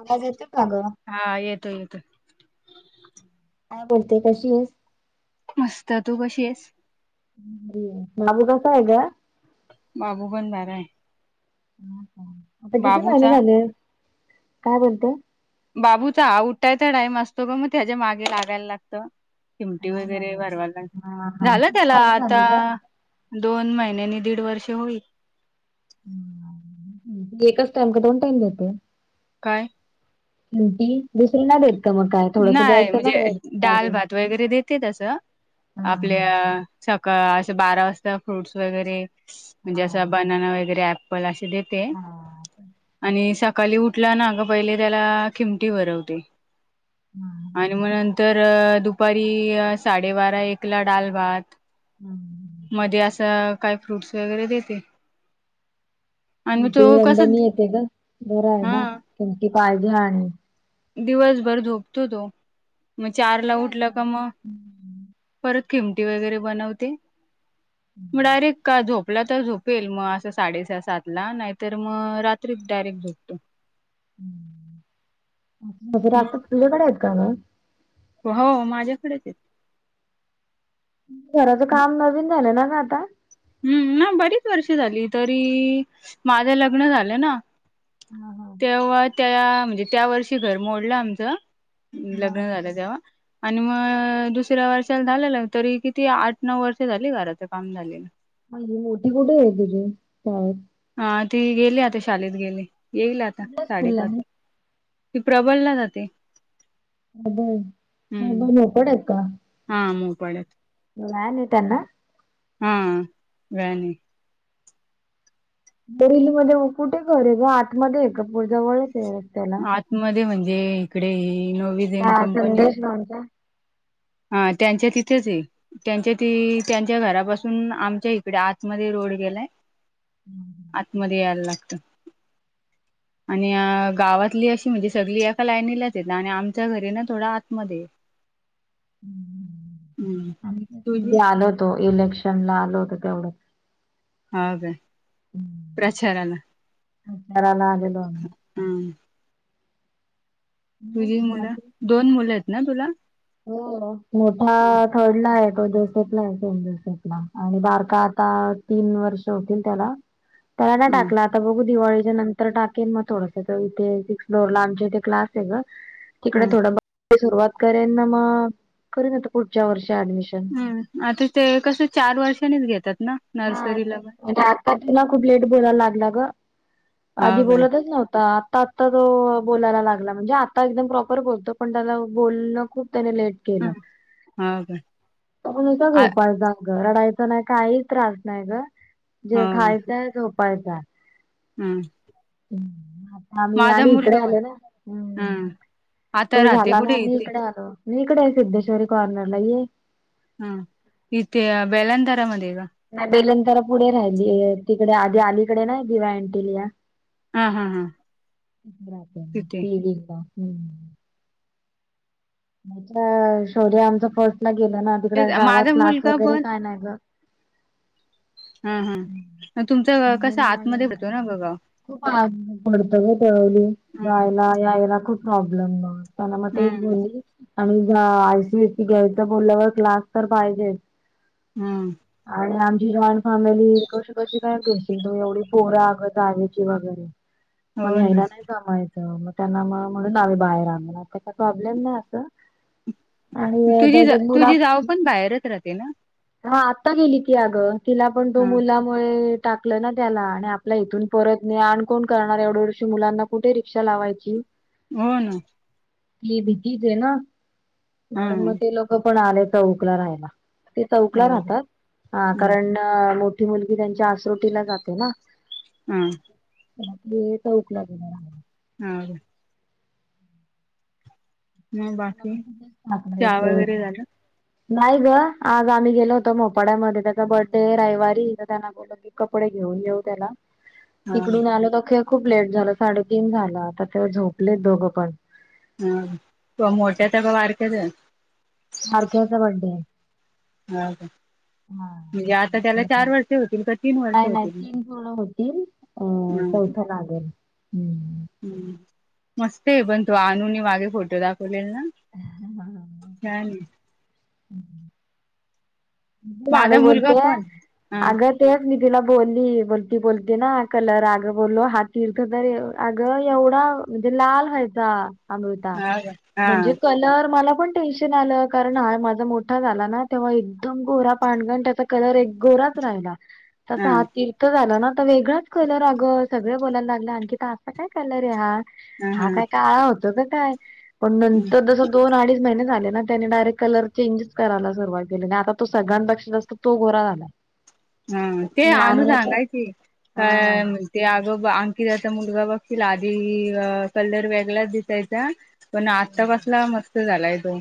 आवाज येतोय का गं? हा. येतोय येतोय. काय बोलते कशी आहेस? मस्त. तू कशी आहेस? बाबू कसा आहे ग? बाबू पण बराय. आता किती महिने बाबूचा झाले? काय बोलते? बाबूचा हा उठायचा टाइम असतो ग, मग त्याच्या मागे लागायला लागतं. गुटी लहान आहे वगैरे ग. भरवाला. हा हा झालं किती त्याला महिने झाले ग? आता- दोन महिन्यांनी दीड वर्ष होईल. एकच टाइम का दोन टाइम देते? काय? गुटी? दुसऱी नाही देत. का मग काय थोडस नाय द्यायचं ना वर म्हणजे डाल अजून भात वगैरे देते तसं आपल्या सकाळ असं बारा वाजता फ्रूटस वगैरे म्हणजे असं बनाना वगैरे ऍप्पल आस देते आणि सकाळी उठला ना पहिले त्याला खिमटी भरवते. हा. आणि म नंतर दुपारी साडेबारा एकला डाल भात. [inaudible] मध्ये असं काय फ्रूट्स वगैरे देते. आणि मग तो ते कस वंदनी येते ग बरं हाय हा ना तुमची काळजी आणि दिवसभर झोपतो तो. मग चार ला बर आहे उठला का? मग परत खिमटी वगैरे बनवते. [inaudible] म डायरेक्ट का झोपला तर झोपेल म असं साडेस सातला नायतर म रात्री डायरेक्ट झोपतो. [unintelligible] तुझ्याकडे आहेत का ग? हो माझ्याकडेच आहेत. घराच काम नवीन झालं ना ग आता? हम्म ना बरीच वर्ष झाली तरी माझं लग्न झालं ना हा हा. तेव्हा त्या म्हणजे त्या वर्षी घर मोडलं आमचं हा. लग्न झालं तेव्हा. आणि म दुसऱ्या वर्षाला झालेलं तरी किती आठ नऊ वर्ष झाली घराचं काम झालेलं. आणि ती मोठी कुठेय तुजी शाळेत? हा ती गेली आता शालेेत गेली येईल आता कुठल्या स्कूलला आहे? साडेपाचला. ती प्रबलला जाते. हम्म [unintelligible] हा मोपड्यात. व्हॅन आहे त्यांना? हा व्हॅन ए. बोरिवली मध्ये म कुठे घर आहे ग आतमध्ये आहे का जवळच आहे रस्त्याला? आत मध्ये म्हणजे इकडे नवी हा संदेश भाऊंच्या हा त्यांच्या तिथेचये. त्यांच्या ती त्यांच्या घरापासून आमच्या इकडे आतमध्ये रोड गेलाय. आतमध्ये याला लागत. [inaudible] आणि गावातली अशी म्हणजे सगळी एका लाईनीलाच येत आणि आमच्या घरी ना थोडा आतमध्येय. हम्. मी आलो होतो इलेक्शनला आल होत तेवढंच. हा काय प्रचाराला? तराला आलेलो. हम्म. मग तुझी मुलं बाकी? दोन मुलं आहेत ना तुला? हो मोठा हम्म, थर्ड ला आहे तो दु [inaudible] आणि बारका आता तीन वर्ष होतील त्याला. त्याला नाय हम्म, टाकला आता बघू दिवाळीच्या नंतर टाकेन मग थोडस तर इथे सिक्स फ्लोअर ला आमच्या इथे क्लास आहे ग. तिकडे हम्म, थोडं सुरुवात करेन ना मग करन आता पुढच्या वर्षी ऍडमिशन ह आता ते कसं चार वर्षानीच घेतात ना हा नर्सरीला पण म्हणजे आता त ना खूप लेट बोलायला लागला ग हा आधी काय बोलतच नव्हता आता आता तो बोलायला लागला म्हणजे आता एकदम प्रॉपर बोलतो पण त्याला बोलणं खूप त्याने लेट हम्म, हा काय तो नुसता आ झोपायला जाई रडायचं नाही काही त्रास नाही ग हा जे काय खायचंय झोपायचा हम्म हम् आम्ही माझा आणि इकडे मुलगा पण आलो ना् हम्म आता तो राहते झाला मग कुठे आम्ही इथे इकडे आलो मी इकडे आहे सिद्धेश्वरी कॉर्नरला ये हा तिथे बेलांदरा मध्ये का? नाही बेलेंदरा पुढे राहिली तिकडे आधी अलीकडे नाही दिवा अँटीलिया हा हा हा तिथे [unintelligible] शोर्या आमच फर्स्ट ला गेला ना तेच तिकडे माझा गावात क्लास मुलगा वगैरे पण काय नाही ग हा हा मग तुमचं कस म्हणून मग आतमध्ये यायला होतो ना लागलं. ग गा खूप आत पडतं गळवली हम्म, जायला यायला खूप प्रॉब्लेम ना मग तेच हम्म, बोलली आणि आय सी एसी सी घ्यायच बोलल्यावर क्लास तर पाहिजेच हम्म आणि आमची जॉईंट फॅमिली कशी कशी काय करशील तु एवढी पोरं आग आगची वगैरे हो मग ना घ्यायला नाही जमायचं मग त्यांना मग म्हणून आम्ही बाहेर आणलं, ना ते काय प्रॉब्लेम नाही असं आणि तुझी त्याच्यात जाव मुला तुझी जाव पण बाहेरच राहते ना? हा आता गेली ती अग तिला पण तो हा मुला टाकलं ना त्याला आणि आपल्या इथून परत ने आण कोण करणार एवढी एवढीश्या मुलांना कुठे रिक्षा लावायची? हो ना ती भीतीच आहे ना हा म्हणून मग ते लोक पण आले चौकला राहायला ते चौकला हो राहतात हम्म. कारण मोठी मुलगी त्यांच्या आसरोटीला जाते ना हम् रात्री चौकला घेणार आहे [unintelligible] मग मला बाकी पण चहा तिथेच वगैरे झालं [unintelligible] नाही ग आज आम्ही गेलो होतो मोपाड्यामध्ये त्याचा बड्डे आहे रविवारी तर त्यांना कपडे घेऊन येऊ त्याला हा तिकडून आलं तर खे खूप लेट झालं साडेतीन झालं आता ते झोपलेत दोघं पण ह मोठे च का बारक्याच? बारक्याचा बड्डे आहे हो का म्हणजे आता त्याला चार हा वर्ष होतील क नाही नाही तीन पूर्ण होतील अ हा चौथं लागेल हम् हम् मस्त आहे पण तो आणुने मागे फोटो दाखवलेले ना छान आहे [unintelligible] मी लाडो माझा मुलगा बोलतेय पण हा अग तेच मी तिला बोलली, बोलती बोलती ना कलर अगं बोललो हा तीर्थ तर अग एवढा म्हणजे लाल व्हायचा अमृता हा का. हा म्हणजे कलर मला पण टेन्शन आलं कारण हा माझा मोठा झाला ना तेव्हा ए एकदम गोरा पाण ग नं त्याचा कलर एक गोराच राहिला तसां हा ती ठा झाला ना त वेगंच कलर अगं सगले बोलायला लागले अंकिता असां काय कलर ये हा हा काय काळा होतो का काय पण हा नंतर जस दोन अडीच महिने झाले ना त्याने डायरेक्ट कलर चेंजच कराला सुरवात केली नं आता तो सगळ्यापेक्षा जास्त तो गोरा झालाय. हा ते अनू सांगायची हा. कायं ते अगं अंकिताचा मुलगा बघशील आधी अ कलर वेगलाच दिसायचा पण आता कसला मस्त झालाय तो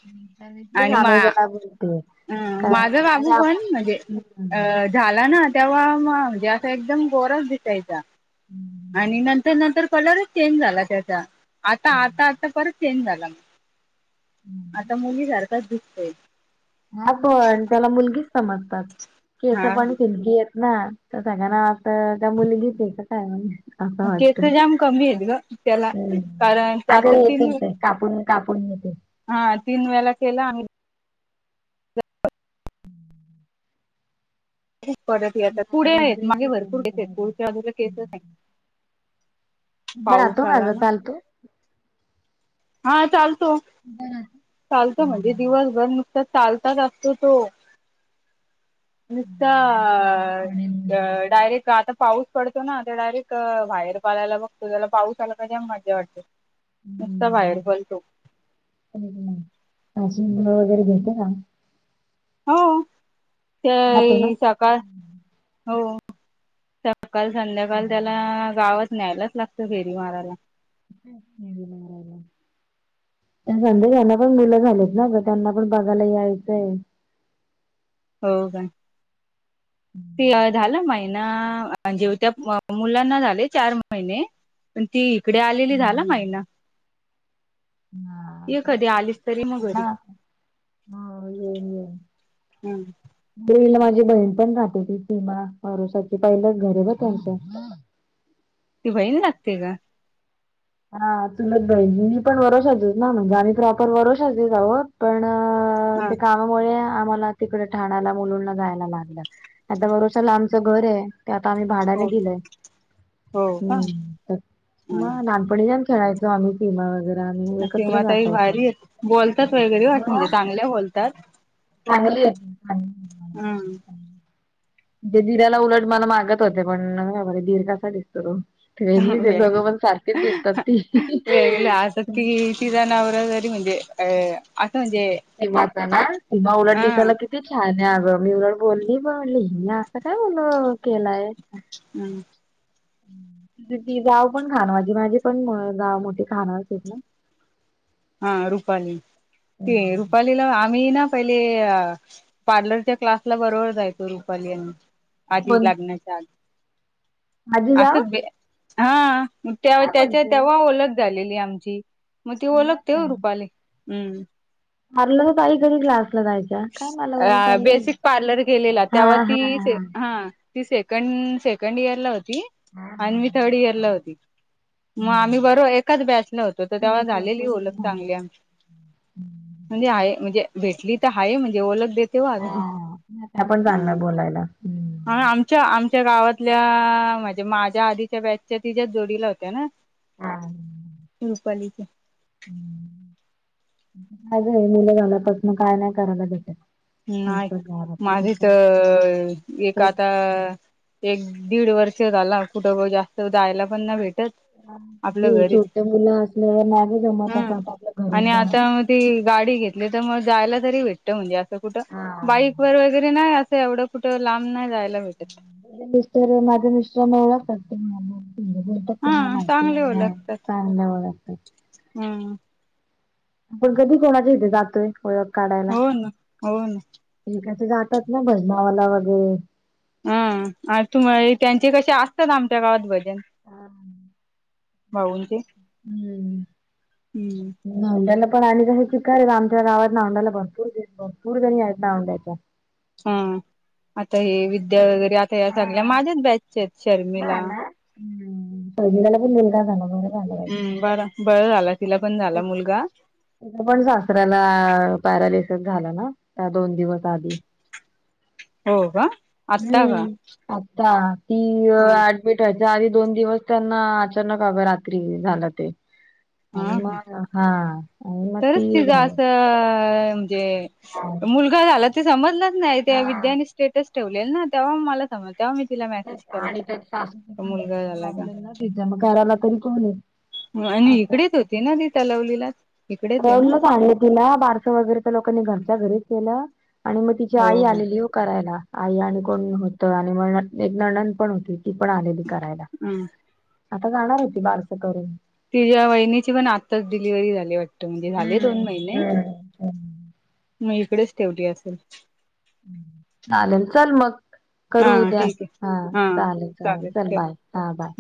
[unintelligible] बोलतोय. अ माझा बाबू पण म्हणजे हम्म. अ झाला ना तेव्हा म म्हणजे असा एकदम गोराच दिसायचा. हम्म आणि नंतर नंतर कलरच चेंज झाला त्याचा आता आता आता परत चेंज झाला. हम्म आता मुली सारखाच दिसतोय. हा पण त्याला मुलगीच समजतात केस हा पण सिल्की येत ना. त सगळ्यांना वाटतं आता मुलीच ये की काय म्हणून असं वाटत केस जाम कमी आहेत ग त्याला कारण [inaudible] अगं आता तीन येतील ते कापून कापून येतील. हा तीन वेला केला आम्ही [inaudible] खूप परत येतात तुझा पुढे आवाज आहेत ब्रेक मागे होतोय भरपूर केस मध्ये येत मध्ये पुढच्या बाजूला केस हम्म. नाय. उभा राहतो कायं आला गं ना चालतो. हा चालतो. उभा राहतो. चालतो म्हणजे हम्म दिवसभर नुसता चालताच असतो तो. नुसता हम्म, लक्ष ठेव अ पडेल अ वगैरे. डायरेक्ट आता पाऊस पडतो ना ते डायरेक्ट बाहेर पलायला बघतो त्याला पाऊस आला का जाम मज्जा वाटते. नुसता बाहेर पलतो. हम्म [unintelligible] वगैरे देतो का? हा त राहतो ना. ई सकाळ हम्म. हो सक सकाल संध्याकाल त्याला हम्म. गावात न्यायलाच लागतं फेरी माराला. फेरी मारायला ते नंदुबायला पण मुलं झालीत ना त्यांना पण बघाला यायचंय. हो काय. ते झाला महिना जेव त्या‌ मुलांना झाले चार महिने पण ती इकडे आलेली झाला हम्म. माहिना. हा. य तेच कधी आलीस तरी म ना. घरी हा, येईन येईन. हम्म [inaudible] माझी बहीण पण राहते तिते ना वरोषाची पहिलं घर ये बघ त्यांचा ती बहीण लागते का? हा चुलत बहीण मी पण वरोषाचीच‌ ना म्हणजे आम्ही प्रॉपर वरोषाचीच आहोत पण हा ते का त्यामुळे आम्हाला तिकडे ठाण्याला मुलुनला जायला लागलं नाही तर वरोषाला आमचं घर आहे ते आता आम्ही भाड्याने हो दिलंय हो का हम्म मग पण गेम खेळायचो आम्ही सीमा वगैरे आम्ही किंवा एकत्रच ताई असायचो. भारी बोलतात वगैरे वा म्हणजे मग चांगल्या बोलतात चांगली आहे ती ताई हम्म ते धरा्याला उलट मला मागत होते पणबर आहे धीर कसा दिसतो तो. वेगलीच आहे दोघं पण सारखीच दिसतात ती सिरा नवररारी म्हणजे अ आता म्हणजे. तेवता ना ते्हा उलट दिसायला हा कि ी छान आहे अगं मी उड बोलली बणलीि असं कायल केलाय. अच्म्. ती जााव पण खाण माजी माझी पण जाव मोठीे खाणारेत ना. हा रुपाली ना ते रुपालीला. मी ना पहिले पार्लरच्या क्लासला बरोबर जायचो रुपाली यांनी. आधी पण लग्नाच्या आधी [inaudible] माझी जाव असच हा काय त्याच्या बोलते तेव्हा ओळख झालेली आमची मग ती नाही ओळख ठेव रूपाली हम्म [inaudible] मारलं तर पाई कधी ग्लास ला जायच्या काय मला कधी पा बेसिक पार्लर गेलेला. तेव्हा तीच हा हा. ती सेकड सेकंड इयर ला होती हा हा आणि मी थर्ड इयर ला होती. मग आम्ही बरोबर एकाच बॅचला होतो तर तेव्हा मी झालेली ओलख चांगली झोपवली आमची. म्हणजे आहे म्हणजे भेटली तर आहे म्हणजे ओळख द तेव आहे हा त्या पण चांगलं हम बोलायला हम्म. आम अच् आमच्या गावातल्या म्हणजे माझ्या आधीच्या बॅचच्या तिच्या जोडीला होत्या ना हा. रूपालीचे. नाहीय मुलं झाला तस मग काय नाही करायला ज नाही माझे तर एक तेच आता. एक दीड वर्ष झाला कुठं बा जास्त जा जायला पण ना भेटत. आपलं अरे घरीच छोट्या मुलं असल्यावर नाहीगे जमत अस हम्म. आपल्या घरी आणि बा आता मग ती गाडी घेतली तर मग जायला तरी भेटत म्हणजे. कुठं बाईक वर वगैरे नाही असं एवढं कुठं लांब नाही जायला भेटत. म मिस्र माझ मिश्र मळ करत. हा माहिती चांगले ओळखतात. चांळ. हम्म. आपण कधी कोणाच्या इथे जातोय ओळख काढायला. हो ना हो क जातात ना भजमावाला वगैरे. हम आणि तुम त्यांचे कसे असतात आमच्या गावात भजन. भाऊंचे. हम्म. हम्म. नांड्याला पण आणि कस शिक आमच्या गावात ना आंड्याला भरपूर भरपूर गणी आहेत नांड्याच्या. हा आता हे विद्या वगैरे आता या सगल्या हा माझ्याच बॅचचे आहेत. हा शर्मिला ना ह्. सजलेला पण का तर पा हम्म बर बर झाला तिला पण झाला मुलगा तिच्या पण सासऱ्याला पॅरालिसिस झाला ना? त्या दोन दिवस आधी. हो का आत्ता का हम्म. आत्ता ती- ह भेटवायच्या आधी दोन दिवस त्यांना अचानक अग रात्री झालं ते. हा. आणि ह. मग हा आणि मग तरीच ती तिच झालं. असं म्हणजे मुलग- - गा झाला ते समजलंच नाही. त्या हा विद्याने स्टेटस ठेवले ना तेव्हा म मला - समजलं. तेव्हा मग मी तिला मेसेज केला आणि त्यात की मुलगा झाला का? म करायला कोण कोण आहे? आणि असं. इकडेच होती ना ति तलवलीला. [unintelligible] तिला बारसं वगैरे त्या लोकांनी घरच्या घरीच केलं आणि मग? तिची आई आलेली हो- - ती करायला. आई आणि कोण होत आणि म एक नणद पण होती. ती पण आलेली करायला. हम्. आता जाणार ए ती बारसं करून. तिच्या वहिनीची पण आत्ताच डिलिव्हरी झाली वाटत, म्हणजे झाले हम्म दोन महिने. हम्म हम्म. मग इकडेच ठेवली असेल. चालेल. चल मग. हा करू उद्या. ठीक आहे हा. चालेल चालेल. चल बाय हा बाय.